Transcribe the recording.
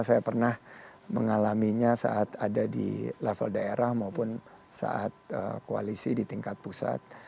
saya pernah mengalaminya saat ada di level daerah maupun saat koalisi di tingkat pusat